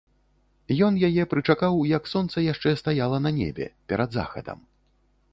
Ён яе прычакаў, як сонца яшчэ стаяла на небе, перад захадам.